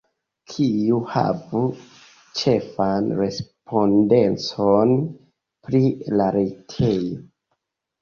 Kiu havu ĉefan respondecon pri la retejo?